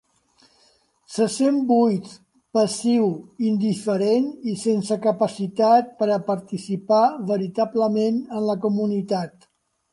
Se sent buit, passiu, indiferent i sense capacitat per a participar veritablement en la comunitat.